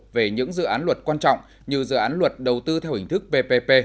về những dự án luật quan trọng như dự án luật đầu tư theo hình thức ppp